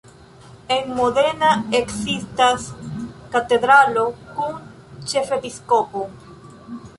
En Modena ekzistas katedralo kun ĉefepiskopo.